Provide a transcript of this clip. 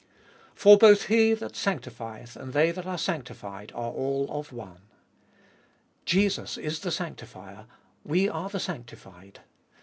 For both He that sanctifieth, and they that are sanctified are all of One. Jesus is the sanctifier, we are the sanctified.